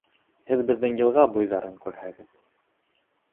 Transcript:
Һеҙ беҙҙең йылға буйҙарын күрһәгеҙ!